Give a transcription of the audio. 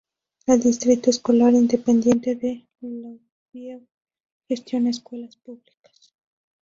El Distrito Escolar Independiente de Longview gestiona escuelas públicas.